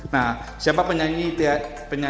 nah siapa penyanyi yang tiara harapkan bisa collab bareng ini